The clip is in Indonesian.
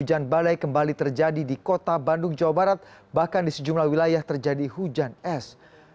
hujan badai kembali terjadi di kota bandung jawa barat bahkan di sejumlah wilayah terjadi hujan es